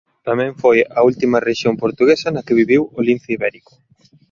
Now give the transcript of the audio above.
Tamén foi a última rexión portuguesa na que viviu o lince ibérico.